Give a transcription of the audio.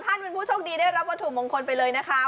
ท่านเป็นผู้โชคดีได้รับวัตถุมงคลไปเลยนะคะ